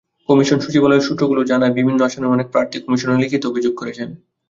Commission সচিবালয়ের সূত্রগুলো জানায়, বিভিন্ন আসনের অনেক প্রার্থী কমিশনে লিখিত অভিযোগ করেছেন।